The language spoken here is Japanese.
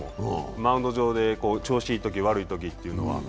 マウンド上で調子いいとき悪いときというのは。